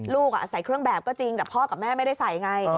ใส่เครื่องแบบก็จริงแต่พ่อกับแม่ไม่ได้ใส่ไง